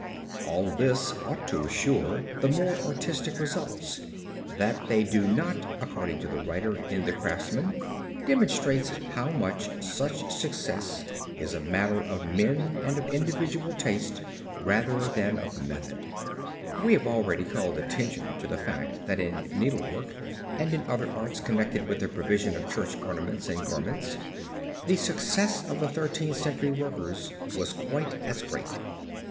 All this ought to assure the more artistic results; that they do not according to the writer in The Craftsman, demonstrates how much such success is a matter of men and of individual taste rather than of method. We have already called attention to the fact that in needlework and in other arts connected with the provision of church ornaments and garments, the success of the Thirteenth Century workers was quite as great.